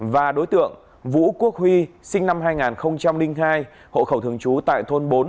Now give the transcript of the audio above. và đối tượng vũ quốc huy sinh năm hai nghìn hai hộ khẩu thường trú tại thôn bốn